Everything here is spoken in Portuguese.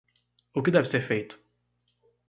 O que deve ser feito?